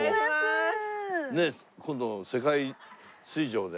今度世界水上で。